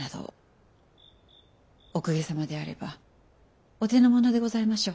お公家様であればお手の物でございましょう？